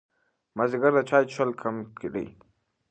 مازدیګر د چای څښل کم کړئ.